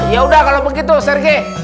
ya udah kalau begitu serge